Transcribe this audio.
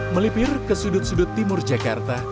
melipir ke sudut sudut timur jakarta